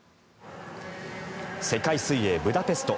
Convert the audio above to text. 世界水泳ブダペスト。